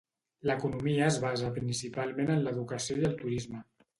L'economia es basa principalment en l'educació i el turisme.